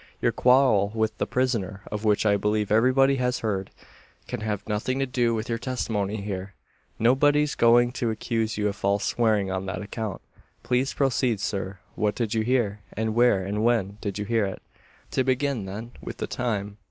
"Your quarrel with the prisoner, of which I believe everybody has heard, can have nothing to do with your testimony here. Nobody's going to accuse you of false swearing on that account. Please proceed, sir. What did you hear? And where, and when, did you hear it?" "To begin, then, with the time.